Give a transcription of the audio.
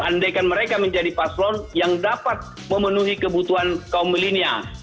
andaikan mereka menjadi paslon yang dapat memenuhi kebutuhan kaum milenial